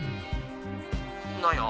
何や？